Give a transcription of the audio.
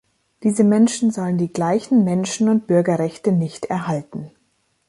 Diese Menschen sollen die gleichen Menschen- und Bürgerrechte nicht erhalten.